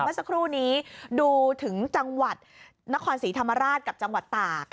เมื่อสักครู่นี้ดูถึงจังหวัดนครศรีธรรมราชกับจังหวัดตาก